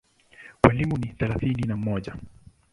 Walimu ni thelathini na mmoja.